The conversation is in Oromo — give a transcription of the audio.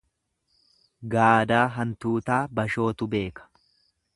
Gaadaa hantuutaa bashootu beeka.